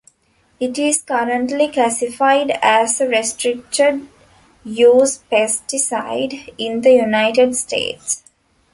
It is currently classified as a restricted use pesticide in the United States.